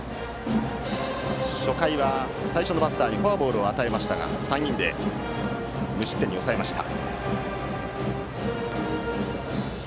初回は最初のバッターにフォアボールを与えましたが３人で無失点に抑えました。